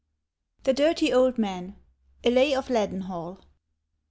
THE DIRTY OLD MAN. A LAY OF LEADENHALL.